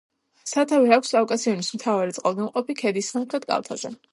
სათავე აქვს კავკასიონის მთავარი წყალგამყოფი ქედის სამხრეთ კალთაზე.